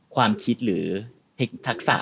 ความคิดหรือธรรมศาสตร์